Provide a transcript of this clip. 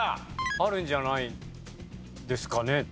あるんじゃないですかねって思って。